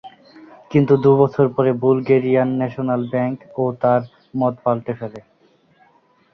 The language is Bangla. কিন্তু দু-বছর পরে বুলগেরিয়ান ন্যাশনাল ব্যাঙ্ক ও তার মত পাল্টে ফেলে।